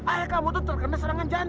ayah kamu tuh terkena serangan jahat ini